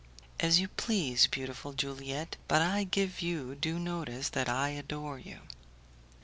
"As you please, beautiful Juliette, but I give you due notice that I adore you!"